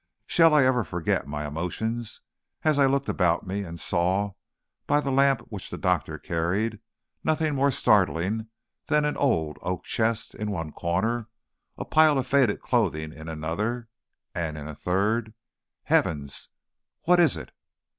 Shall I ever forget my emotions as I looked about me and saw, by the lamp which the doctor carried, nothing more startling than an old oak chest in one corner, a pile of faded clothing in another, and in a third Heavens! what is it?